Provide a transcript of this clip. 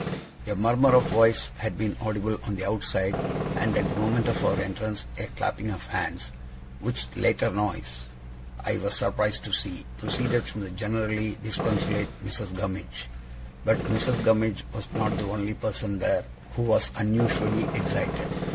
A murmur of voices had been audible on the outside, and, at the moment of our entrance, a clapping of hands: which latter noise, I was surprised to see, proceeded from the generally disconsolate Mrs. Gummidge. But Mrs. Gummidge was not the only person there who was unusually excited.